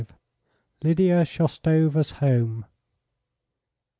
LYDIA SHOUSTOVA'S HOME.